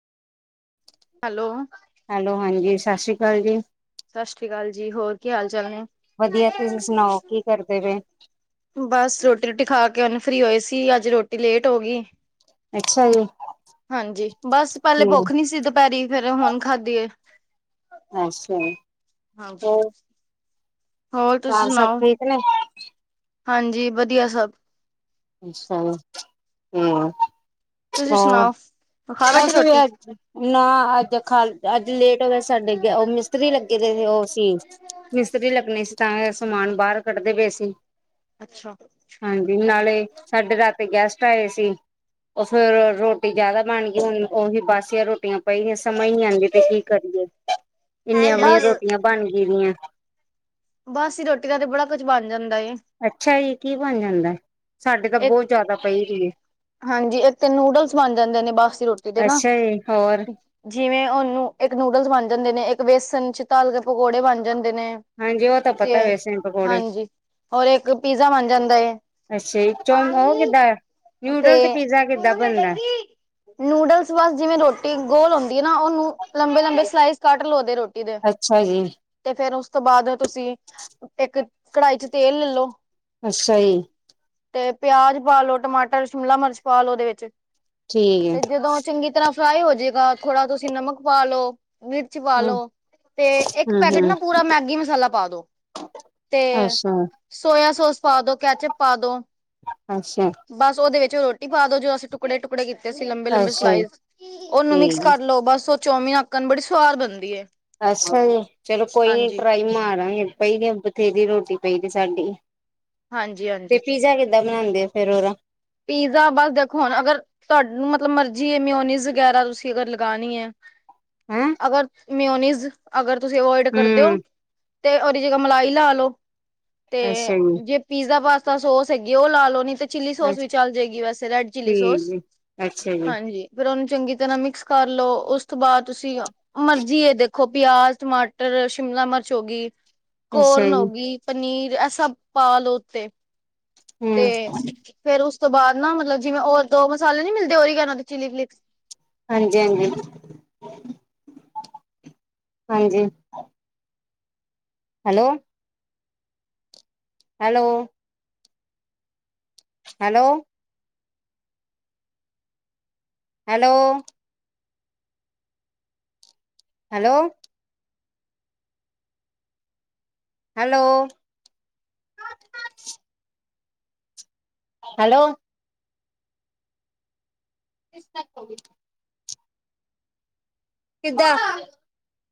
Hello, hello, ਹਾਂਜੀ ਸਸ ਰੀ ਕਾਲ ਜੀ। ਸਸ ਰੀ ਕਾਲ ਜੀ, ਹੋਰ ਕੀ ਹਾਲ ਚਾਲ ਨੇ। ਵਧੀਆ, ਤੁਸੀਂ ਸੁਣਾਓ ਕੀ ਕਰਦੇ ਪਏ ਓ। ਬਸ ਰੋਟੀ-ਰੁਟੀ ਖਾ ਕੇ ਹੁਣੀ ਫਰੀ ਹੋਏ ਸੀ, ਅੱਜ ਰੋਟੀ ਲੇਟ ਹੋ ਗਈ। ਅੱਛਾ ਜੀ ਹਾਂਜੀ ਬਸ ਪਹਿਲੇ ਹੂੰ ਭੁੱਖ ਨੀ ਸੀ, ਦੁਪਹਿਰੀ ਫੇਰ ਹੁਣ ਖਾਧੀ ਏ। ਅੱਛਾ, ਹਾਂਜੀ, ਹੋਰ ਹੋਰ ਤੁਸੀਂ ਘਰ ਸਭ ਸੁਣਾਓ, ਠੀਕ ਨੇ ਹਾਂਜੀ ਵਧੀਆ ਸਭ। ਅੱਛਾ, ਹੂੰ ਤੁਸੀਂ ਹੋਰ, ਸੁਣਾਓ ਖਾ ਬੈਠੇ ਅਸੀ ਵੀ ਰੋਟੀ ਅੱਜ ਨਾ ਅੱਜ ਖਾਲ ਅੱਜ ਲੇਟ ਹੋ ਗਏ ਸੀ, ਸਾਡੇ ਉਹ ਮਿਸਤਰੀ ਲੱਗੇ ਦੇ ਸੀ ਉਹ ਸੀ। ਮਿਸਤਰੀ ਲੱਗਣੇ ਸੀ, ਤਾਂ ਸਮਾਨ ਬਾਹਰ ਕੱਢਦੇ ਪਏ ਸੀ। ਅੱਛਾ, ਹਾਂਜੀ, ਨਾਲੇ ਸਾਡੇ ਰਾਤ ਗੈਸਟ ਆਏ ਸੀ। ਉਹ ਫੇਰ ਰੋਟੀ ਜਿਆਦਾ ਬਣ ਗਈ, ਹੁਣ ਉਹੀ ਬਾਸੀਆਂ ਰੋਟੀਆਂ ਪਾਈ ਸਮਝ ਨੀ ਆਂਦੀ ਪਈ ਕੀ ਕਰੀਏ, ਇੰਨੀਆਂ ਆਪਣੀਆਂ ਬਸ ਰੋਟੀਆਂ ਬਣ ਗਈ ਦੀਆਂ। ਬਾਸੀ ਰੋਟੀਆਂ ਦਾ ਤੇ ਬੜਾ ਕੁਛ ਬਣ ਜਾਂਦਾ ਏ। ਅੱਛਾ ਜੀ, ਕੀ ਬਣ ਜਾਂਦਾ, ਸਾਡੇ ਤਾਂ ਇੱਕ ਬਹੁਤ ਜ਼ਿਆਦਾ ਪਈ ਦੀ ਏ। ਹਾਂਜੀ, ਇੱਕ ਤੇ ਨੂਡਲਸ ਬਣ ਜਾਂਦੇ ਨੇ, ਬਾਸੀ ਰੋਟੀ ਦੇ ਨਾ। ਅੱਛਾ ਜੀ ਹੋਰ ਜਿਵੇਂ ਉਹਨੂੰ ਇੱਕ ਨੂਡਲਸ ਬਣ ਜਾਂਦੇ ਨੇ ਇੱਕ ਬੇਸਨ ਚ ਤਲ ਕੇ ਪਕੌੜੇ ਬਣ ਜਾਂਦੇ ਨੇ। ਹਾਂਜੀ ਉਹ ਤਾਂ ਪਤਾ ਤੇ ਵੇਸਣ ਪਕੌੜੇ ਹਾਂਜੀ ਹੋਰ ਇੱਕ ਪੀਜ਼ਾ ਬਣ ਜਾਂਦਾ ਏ। ਅੱਛਾ ਜੀ ਚੌਮ ਉਹ ਬਾਣੀ ਕਿੱਦਾਂ ਨਿਊਡਲ ਤੇ ਪੀਜ਼ਾ ਕਿੱਦਾਂ ਬਣਦਾ ਨੂਡਲਸ ਬਸ ਜਿਵੇਂ ਰੋਟੀ ਗੋਲ ਹੁੰਦੀ ਹੈ ਨਾ ਉਹਨੂੰ, ਲੰਬੇ- ਲੰਬੇ ਸਲਾਈਸ ਕੱਟ ਲਓ ਦੇ ਰੋਟੀ ਦੇ ਅੱਛਾ ਜੀ ਤੇ ਫੇਰ ਉਸ ਤੋਂ ਬਾਅਦ ਤੁਸੀਂ ਇੱਕ ਕੜਾਈ ਚ ਤੇਲ ਲੈਲੋ। ਅੱਛਾ ਜੀ! ਤੇ ਪਿਆਜ ਪਾਲੋ, ਟਮਾਟਰ, ਸ਼ਿਮਲਾ -ਮਿਰਚ ਪਾ ਲੋ ਉਹਦੇ ਵਿੱਚ ਠੀਕ ਤੇ ਜਦੋਂ ਚੰਗੀ ਤਰ੍ਹਾਂ ਫਰਾਈ ਹੋਜੇਗਾ ਥੋੜਾ ਤੁਸੀਂ ਨਮਕ ਪਾ ਲੋ। ਹੈ ਪਾਲੋ ਹਮ ਤੇ ਇੱਕ ਹਮ ਪੈਕੇਟ ਹਮ ਨਾ ਪੂਰਾ ਮੈਗੀ ਮਸਾਲਾ ਪਾ ਦੋ। ਤੇ ਅੱਛਾ! ਸੋਇਆ- ਸੋਸ ਪਾ ਦੋ ਕੈਚਪ ਪਾ ਦੋ ਅੱਛਾ! ਬਸ ਉਹਦੇ ਵਿੱਚ ਉਹ ਰੋਟੀ ਪਾ ਦੋ ਜੋ ਅਸੀਂ ਟੁ ਟੁਕੜੇ -ਟੁਕੜੇ ਕੀਤੇ ਸੀ ਲੰਬੇ- ਲੰਬੇ ਅੱਛਾ ਜੀ ਸਲਾਈਜ਼ ਉਹਨੂੰ ਮਿਕਸ ਠੀਕ ਹੈ ਕਰ ਲਓ ਬਸ ਚੌਮੀਨ ਹਾਕਣ ਬੜੀ ਸਵਾਦ ਬਣਦੀ ਏ। ਅਛਾ ਜੀ ਚਲੋ ਕੋਈ ਨੀ ਹਾਂਜੀ। ਟਰਾਈ ਮਾਰਾਂਗੇ ਪਈ ਨੇ ਬਥੇਰੀ ਰੋਟੀ ਪਈ ਨੇ ਸਾਡੀ ਹਾਂਜੀ-ਹਾਂਜੀ ਤੇ ਪੀਜ਼ਾ ਕਿ ਦਾ ਬਣਾਉਂਦੀ ਫਿਰ ਉਹਦਾ। ਪੀਜ਼ਾ ਬਸ ਦੇਖੋ ਹੁਣ ਅਗਰ ਤੁਹਾਡਾ ਮਤਲਬ ਮਰਜ਼ੀ ਮਿਓਨੀਜ਼ ਵਗੈਰਾ ਤੁਸੀਂ ਅਗਰ ਲਗਾਣੀ ਏ ਹੈਂ ਅਗਰ ਮਿਓਨੀਜ਼ ਅਗਰ ਤੁਸੀਂ ਅਵਇਡ ਕਰਦੇ ਹਮ ੳ ਤੇ ਉਹਦੀ ਜਗ੍ਹਾ ਮਲਾਈ ਲਾ ਲੋ ਤੇ ਅੱਛਾ ਜੀ ਜੇ ਪੀਜ਼ਾ -ਪਾਸਤਾ ਸੋਸ ਹੈਗੇ ਉਹ ਲਾ ਲੋ ਨੀ ਤੇ ਚਿੱਲੀ ਸੋਸ ਅੱਛਾ ਵੀ, ਜਾਏਗੀ ਵੈਸੇ ਰੈਡ - ਚੀਲੀ ਠੀਕ ਸੋਸ ਜੀ ਅੱਛਾ ਜੀ ਹਾਂਜੀ। ਹਾਂਜੀ ਫੇਰ ਉਹਨੂੰ ਚੰਗੀ ਤਰ੍ਹਾਂ ਮਿਕਸ ਕਰਲੋ। ਉਸ ਤੋਂ ਬਾਅਦ ਤੁਸੀਂ, ਮਰਜੀ ਏ ਦੇਖੋ ਪਿਆਜ਼, ਟਮਾਟਰ, ਸ਼ਿਮਲਾ- ਮਿਰਚ ਹੋ ਗਈ। ਅੱਛਾ ਕੋਰਨ ਹੋ ਜੀ ਗਈ ਪਨੀਰ ਇਹ ਸਭ ਪਾ ਲੋ ਉੱਤੇ। ਤੇ ਹੂੰ, ਫੇਰ ਉਸ ਤੋਂ ਬਾਅਦ ਨਾ ਮਤਲਬ ਜਿਵੇਂ ਹੋਰ ਦੋ ਮਸਾਲੇ ਨੀ ਮਿਲਦੇ ਉਹੀ ਕ ਦੇ ਚਿਲੀ -ਫਲਿਕਸ। ਹਾਂਜੀ- ਹਾਂਜੀ -ਹਾਂਜੀ hello! Hello! Hello! Hello! Hello! Hello! Hello! [inaudible] ਕਿੱਦਾਂ?